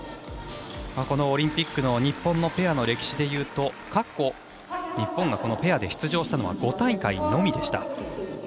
このオリンピックの日本のペアの歴史でいうと過去、日本がペアで出場したのは５大会のみでした。